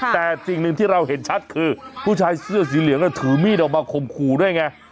แต่สิ่งหนึ่งที่เราเห็นชัดคือผู้ชายเสื้อสีเหลืองถือมีดออกมาข่มขู่ด้วยไง